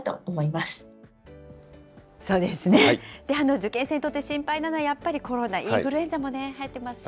受験生にとって心配なのはやっぱりコロナ、インフルエンザもね、はやってますしね。